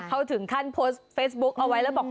เขาถึงขั้นโพสต์เฟซบุ๊คเอาไว้แล้วบอก